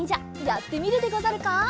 やってみるでござるか？